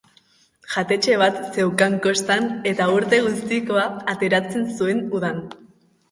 Jatetxe bat zeukan kostan, eta urte guztikoa ateratzen zuen udan.